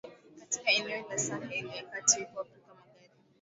katika eneo la Sahel ya kati huko Afrika magharibi